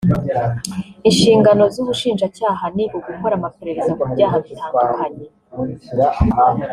Inshingano z’ubushinjacyaha ni ugukora amaperereza ku byaha bitandukanye